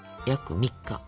約３日。